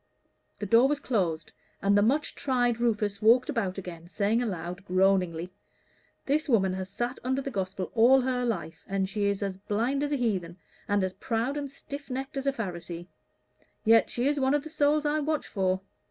The door was closed, and the much tried Rufus walked about again, saying aloud, groaningly "This woman has sat under the Gospel all her life, and she is as blind as a heathen, and as proud and stiff necked as a Pharisee; yet she is one of the souls I watch for.